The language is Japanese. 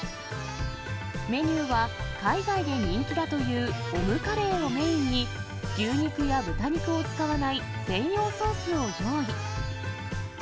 メニューは、海外で人気だというオムカレーをメインに、牛肉や豚肉を使わない専用ソースを用意。